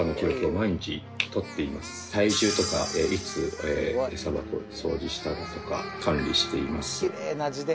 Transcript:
体重とかいつエサ箱を掃除したかとか管理しています。